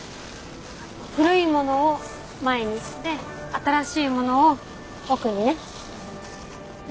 古いものを前にして新しいものを奥にね。